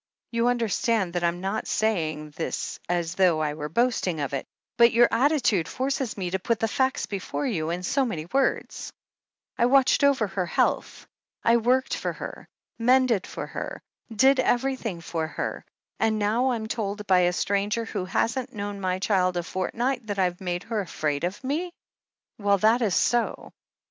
You understand that I'm not saying this as though I were boasting of it, but your attitude forces me to put the facts before you in so many words. I watched over 396 THE HEEL OF ACHILLES her health, I worked for her, mended for her, did every thing for her. And now Vm told, by a stranger who hasn't known my child a fortnight, that I've made her afraid of me I" "Well, that is so."